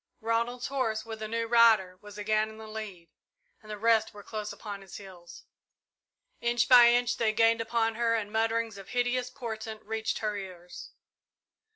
Ronald's horse, with a new rider, was again in the lead, and the rest were close upon his heels. Inch by inch they gained upon her and mutterings of hideous portent reached her ears.